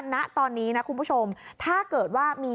ณตอนนี้นะคุณผู้ชมถ้าเกิดว่ามี